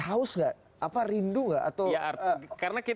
haus gak apa rindu gak atau karena